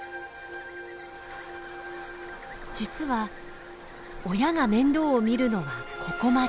実は親が面倒を見るのはここまで。